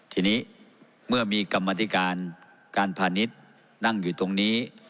ทีนี้เมื่อมีกรรมธิการการพาณิชย์นั่งอยู่ตรงนี้